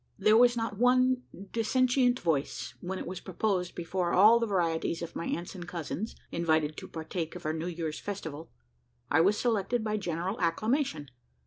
There was not one dissentient voice, when it was proposed before all the varieties of my aunts and cousins, invited to partake of our new year's festival. I was selected by general acclamation.